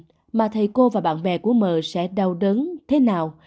gia đình mà thầy cô và bạn bè của mờ sẽ đau đớn thế nào